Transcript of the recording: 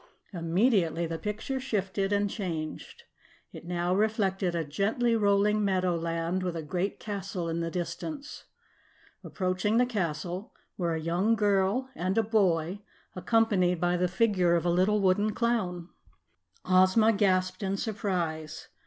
Immediately the picture shifted and changed. It now reflected a gently rolling meadowland with a great castle in the distance. Approaching the castle were a young girl and a boy, accompanied by the figure of a little wooden clown. Ozma gasped in surprise.